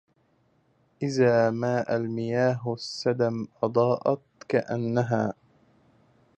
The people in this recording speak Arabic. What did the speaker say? إذا ما المياه السدم آضت كأنها